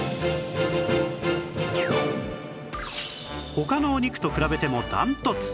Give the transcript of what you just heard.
他のお肉と比べてもダントツ！